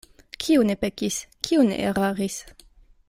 Kiu ne pekis, kiu ne eraris?